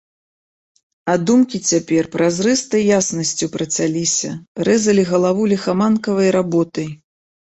А думкі цяпер празрыстай яснасцю працяліся, рэзалі галаву ліхаманкавай работай.